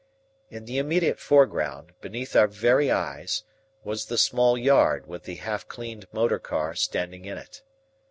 In the immediate foreground, beneath our very eyes, was the small yard with the half cleaned motor car standing in it.